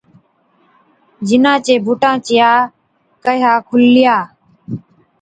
جِنا چي بُوٽان چِيا ڪهِيا کولِيا،